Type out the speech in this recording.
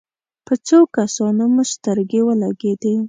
په څو کسانو مو سترګې ولګېدې.